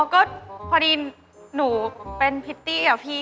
อ๋อก็พอดีหนูเป็นพิตติอย่างพี่